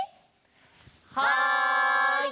はい！